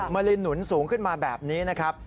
ลินหนุนสูงขึ้นมาแบบนี้นะครับ